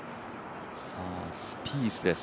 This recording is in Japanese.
スピースです。